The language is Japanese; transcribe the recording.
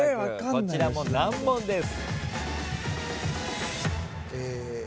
こちらも難問です。